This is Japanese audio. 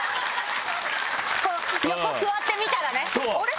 横座ってみたらねあれ？